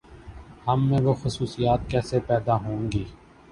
ہم میں وہ خصوصیات کیسے پیداہونگی؟